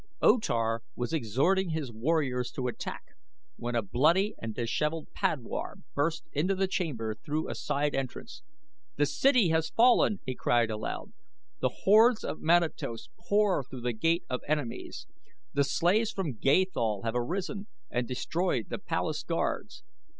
O Tar was exhorting his warriors to attack, when a bloody and disheveled padwar burst into the chamber through a side entrance. "The city has fallen!" he cried aloud. "The hordes of Manatos pour through The Gate of Enemies. The slaves from Gathol have arisen and destroyed the palace guards.